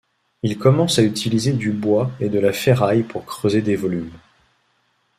Il commence à utiliser du bois et de la ferraille pour creuser des volumes.